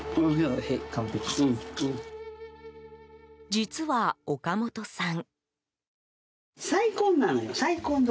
実は、岡本さん。